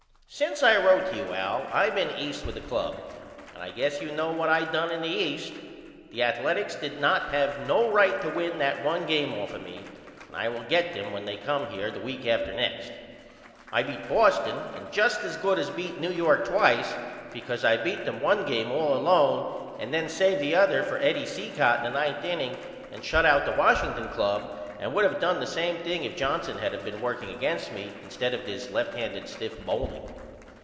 Since I wrote to you Al I been East with the club and I guess you know what I done in the East. The Athaletics did not have no right to win that 1 game off of me and I will get them when they come here the week after next. I beat Boston and just as good as beat New York twice because I beat them 1 game all alone and then saved the other for Eddie Cicotte in the 9th inning and shut out the Washington Club and would of did the same thing if Johnson had of been working against me instead of this left handed stiff Boehling.